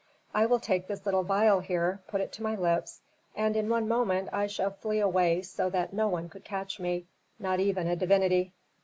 I will take this little vial here, put it to my lips, and in one moment I shall flee away so that no one could catch me not even a divinity."